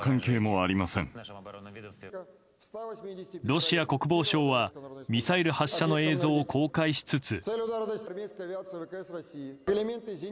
ロシア国防省はミサイル発射の映像を公開しつつ。